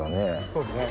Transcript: そうっすね